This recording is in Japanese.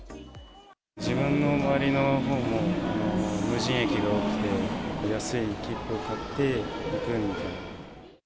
自分の周りのほうも、無人駅が多くて、安い切符を買っていくみたいな。